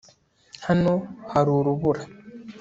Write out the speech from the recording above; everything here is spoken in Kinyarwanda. Hano hari urubura